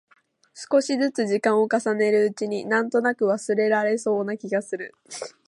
少しづつ時間を重ねるうちに、なんとなく忘れられそうな気がする。